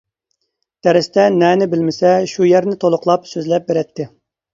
دەرستە نەنى بىلمىسە شۇ يەرنى تولۇقلاپ سۆزلەپ بېرەتتى.